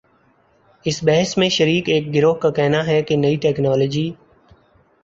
اس بحث میں شریک ایک گروہ کا کہنا ہے کہ نئی ٹیکنالوجی